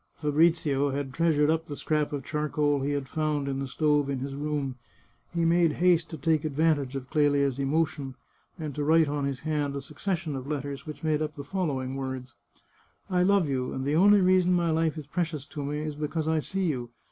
Fabrizio had treasured up the scrap of charcoal he had found in the stove in his room. He made haste to take ad vantage of Clelia's emotion, and to write on his hand a succession of letters which made up the following words: " I love you, and the only reason my life is precious to me is because I see you.